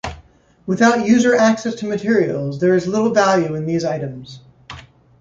Without user access to materials, there is little value in these items.